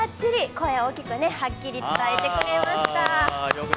声大きく、はっきり伝えてくれました。